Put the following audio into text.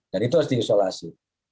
dan itu harus diisolasi